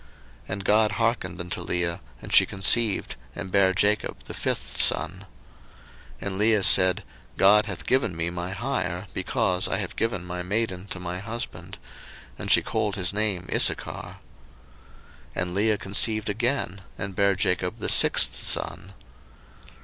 01:030:017 And God hearkened unto Leah, and she conceived, and bare Jacob the fifth son. 01:030:018 And Leah said, God hath given me my hire, because I have given my maiden to my husband: and she called his name Issachar. 01:030:019 And Leah conceived again, and bare Jacob the sixth son.